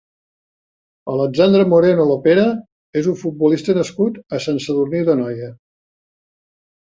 Alexandre Moreno Lopera és un futbolista nascut a Sant Sadurní d'Anoia.